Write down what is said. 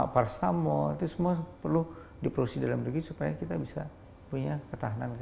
parastamo itu semua perlu diproduksi dalam negeri supaya kita bisa punya ketahanan